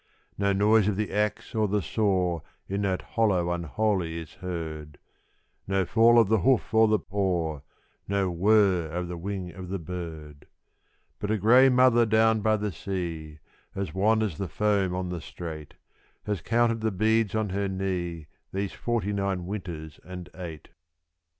No noise of the axe or the saw in that hollow unholy is heard, No fall of the hoof or the paw, no whirr of the wing of the bird; But a grey mother down by the sea, as wan as the foam on the strait, Has counted the beads on her knee these forty nine winters and eight.